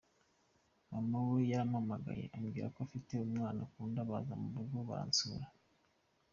Mama we yarampamagaye ambwira ko afite umwana unkunda, baza mu rugo baransura.